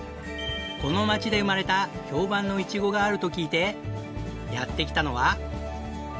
この町で生まれた評判のイチゴがあると聞いてやって来たのは。